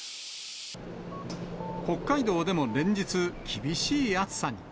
北海道でも連日、厳しい暑さに。